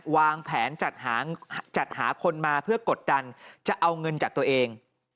วางแผนจัดหาจัดหาคนมาเพื่อกดดันจะเอาเงินจากตัวเอง